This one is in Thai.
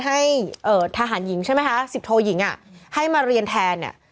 ให้ทหารหญิงใช่ไหมคะสิบโทยิงอ่ะให้มาเรียนแทนเนี่ย